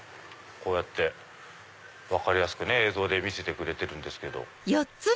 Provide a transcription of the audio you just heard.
こうやって分かりやすく映像で見せてくれてるんですけど。